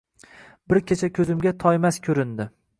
Bir kecha ko‘zimga Toymas ko‘rindi